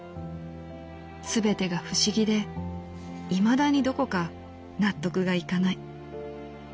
すべてが不思議でいまだにどこか納得がいかない」。